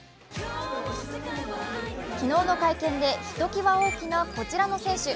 昨日の会見でひときわ大きなこちらの選手。